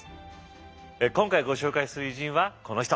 今回ご紹介する偉人はこの人。